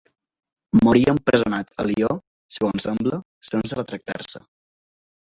Morí empresonat a Lió, segons sembla, sense retractar-se.